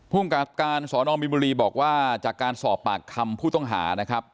ภูมิกับการสอนอมมินบุรีบอกว่าจากการสอบปากคำผู้ต้องหานะครับ